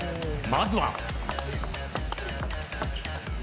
まずは。